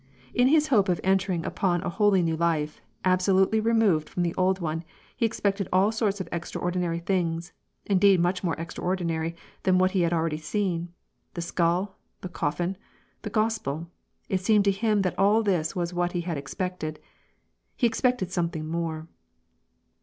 In his hope of entering upon a wholly new life, absolutely removed from the old one, he expected all sorts of extraordinary things, indeed much more extraordinary than what he had already seen. The skull, the coffin, the Gospel — it seemed to him that all this was what he had expected: he expected something more.